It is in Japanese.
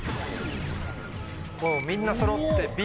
みんなそろってＢ。